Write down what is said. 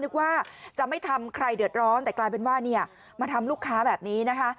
นึกว่าจะไม่ทำใครเดือดร้อนแต่กลายเป็นว่าเนี่ยมาทำลูกค้าแบบนี้นะคะ